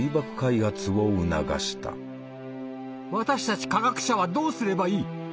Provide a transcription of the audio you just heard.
私たち科学者はどうすればいい？